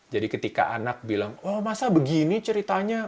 jadi ketika anak bilang oh masa begini ceritanya